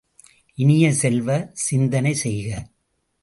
இனிய செல்வ, சிந்தனை செய்க!